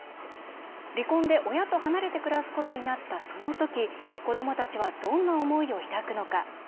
離婚で親と離れて暮らすことになったその時子どもたちはどんな思いを抱くのか。